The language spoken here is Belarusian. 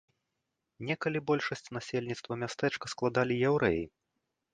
Некалі большасць насельніцтва мястэчка складалі яўрэі.